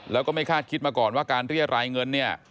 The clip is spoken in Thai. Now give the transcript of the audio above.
แล้วก็ไม่คาดคิดมาก่อนว่าการเรียรายเงินเนี่ย